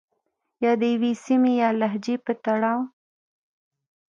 يا د يوې سيمې يا لهجې په تړاو